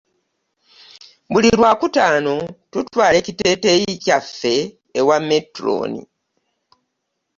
Buli lwakutaano, tutwala ekiteeteyi kyaffe ewa metulooni.